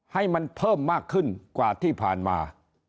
ให้มันเพิ่มมากขึ้นกว่าที่ผ่านมา